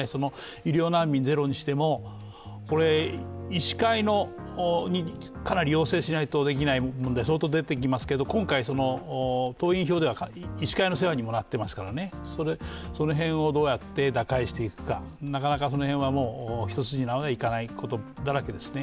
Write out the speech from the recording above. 医療難民ゼロにしても、医師会にかなり要請しないとできない問題が相当出てきますけど、今回、党員票では医師会の世話にもなっていますからその辺をどうやって打開していくか、なかなか一筋縄でいかないことだらけですね。